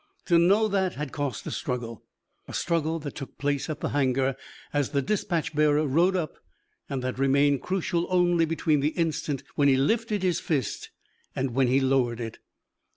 To know that had cost a struggle a struggle that took place at the hangar as the dispatch bearer rode up and that remained crucial only between the instant when he lifted his fist and when he lowered it.